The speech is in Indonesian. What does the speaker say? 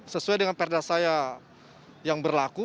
sesuai dengan perda saya yang berlaku